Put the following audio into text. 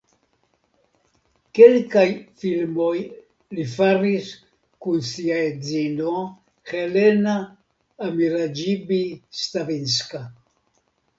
Kelkaj filmoj li faris kun sia edzino Helena Amiraĝibi-Stavinska.